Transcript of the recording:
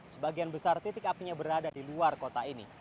sebagian besar titik apinya berada di luar kota ini